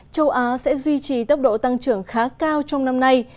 châu á sẽ duy trì tốc độ tăng trưởng khá cao trong năm nay